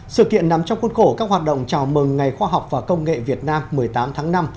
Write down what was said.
sự kiện nằm trong khuôn khổ các hoạt động chào mừng ngày khoa học và công nghệ việt nam một mươi tám tháng năm